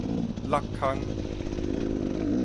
戮空